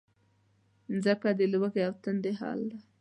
مځکه د لوږې او تندې حل ده.